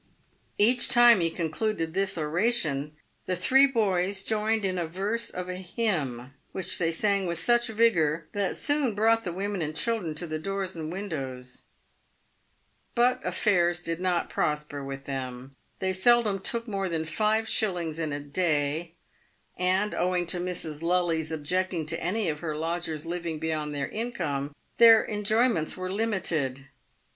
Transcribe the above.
Each time he concluded this oration, the three boys joined in a verse of a hymn, which they sang with such vigor, that it soon brought the women and children to the doors and windows. But affairs did not prosper with them. They seldom took more than five shillings in a day, and, owing to Mrs. Lully's objecting to any of her lodgers living beyond their income, their enjoyments were limited.